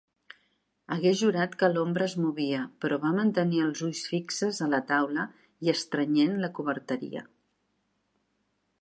Hagués jurat que l'ombra es movia, però va mantenir els ulls fixes a la taula i estrenyent la coberteria.